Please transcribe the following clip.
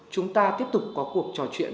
chúng ta tiếp tục có cuộc trò chuyện